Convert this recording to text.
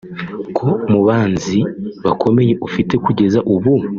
ko mu banzi bakomeye afite kugeza ubu